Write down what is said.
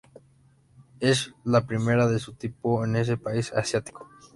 Es la primera de su tipo en ese país asiático.